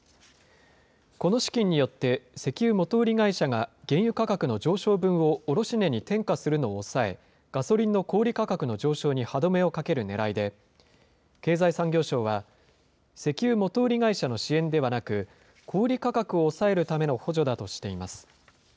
この資金によって、石油元売り会社が原油価格の上昇分を卸値に転嫁するのを抑え、ガソリンの小売り価格の上昇に歯止めをかけるねらいで、経済産業省は、石油元売り会社の支援ではなく、小売り価格を抑えるための補助だとしています。